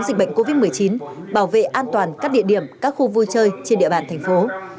dịch bệnh covid một mươi chín bảo vệ an toàn các địa điểm các khu vui chơi trên địa bàn thành phố